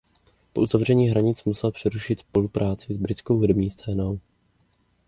Po uzavření hranic musel přerušit spolupráci s britskou hudební scénou.